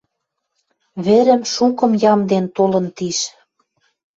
Вӹрӹм шукым ямден толын тиш.